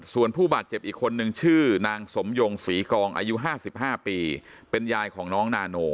ส่วนผู้บาดเจ็บอีกคนนึงชื่อนางสมยงศรีกองอายุ๕๕ปีเป็นยายของน้องนาโน